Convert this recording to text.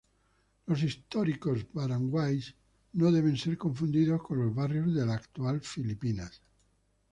Los históricos barangays no deben ser confundidos con los barrios de la actual Filipinas.